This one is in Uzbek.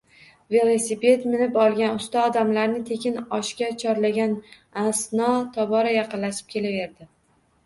Velosiped minib olgan usta, odamlarni tekin oshga chorlagan asno, tobora yaqinlashib kelaverdi